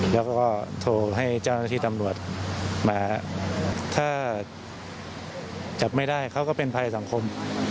แล้วก็โทรให้จะตำรวจถ้าจับไม่ได้เขาก็เป็นภัยสังคม